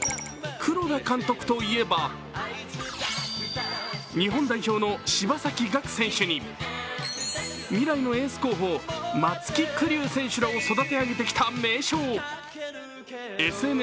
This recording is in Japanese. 黒田監督といえば、日本代表の柴崎岳選手に未来のエース候補、松木玖生選手らを育て上げてきた名将。